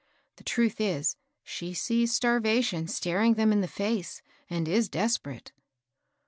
The truth is, she sees starvation staring them in the face and is desperate."